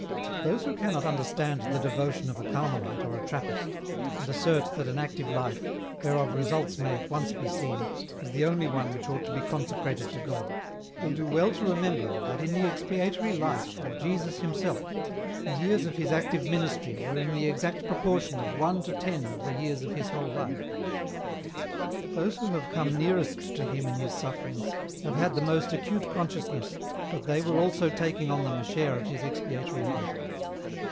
Those who cannot understand the devotion of a Carmelite or a Trappist, and assert that an active life, whereof results may at once be seen, is the only one which ought to be consecrated to God, will do well to remember that in the expiatory life of Jesus Himself the years of His active ministry were in the exact proportion of one to ten of the years of His whole life. Those who have come nearest to Him in His sufferings have had the most acute conscious ness that they were also taking on them a share of His expiatory life.